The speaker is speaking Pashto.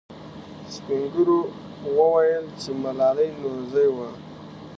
سپین ږیرو وویل چې ملالۍ نورزۍ وه.